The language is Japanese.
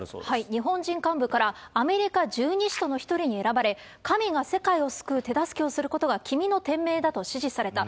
日本人幹部から、アメリカ十二使途の一人に選ばれ、神が世界を救う手助けをすることが君の天命だと指示された。